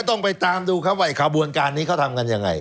อย่าต้องไปตามด้วยเขาว่าคบวนการนี้เขาทำกันยังไง